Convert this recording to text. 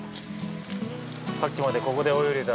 さっきまでここで泳いでた。